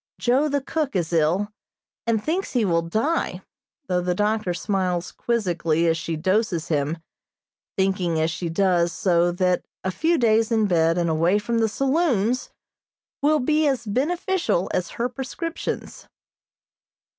Joe, the cook, is ill, and thinks he will die, though the doctor smiles quizzically as she doses him, thinking as she does so that a few days in bed and away from the saloons will be as beneficial as her prescriptions.